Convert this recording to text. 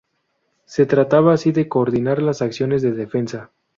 Se trataba así de coordinar las acciones de defensa.